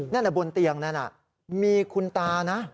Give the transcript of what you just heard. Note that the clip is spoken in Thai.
นั่นน่ะบนเตียงนั่นน่ะมีคุณตานะ